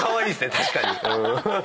確かに。